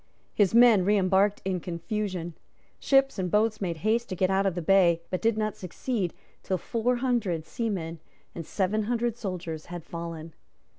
His men reembarked in confusion. Ships and boats made haste to get out of the bay, but did not succeed till four hundred seamen and seven hundred soldiers had fallen.